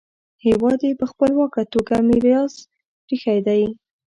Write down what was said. هېواد یې په خپلواکه توګه میراث پریښی دی.